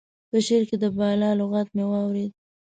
په شعر کې د بالا لغت مې واورېد.